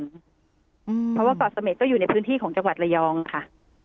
เพราะว่าเกาะเสม็ดก็อยู่ในพื้นที่ของจังหวัดระยองค่ะ